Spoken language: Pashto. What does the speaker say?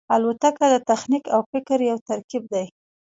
الوتکه د تخنیک او فکر یو ترکیب دی.